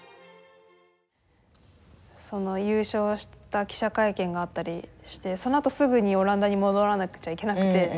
その優勝した記者会見があったりしてそのあとすぐにオランダに戻らなくちゃいけなくて。